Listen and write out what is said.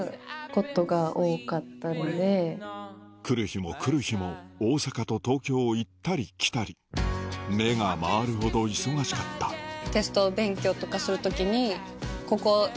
来る日も来る日も大阪と東京を行ったり来たり目が回るほど忙しかったここ。